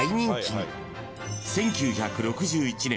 ［１９６１年